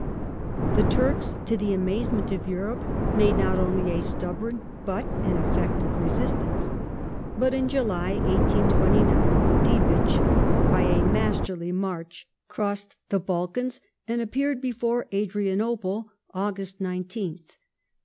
The Turks, to the amazement of Europe, made not only a stubborn but an effective resistance, but in July, 1829, Diebitsch, by a masterly march, crossed the Balkans and appeared before Adrianople (Aug. 19th).